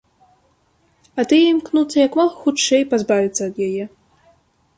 А тыя імкнуцца як мага хутчэй пазбавіцца ад яе.